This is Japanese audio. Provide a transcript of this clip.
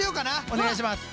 お願いします。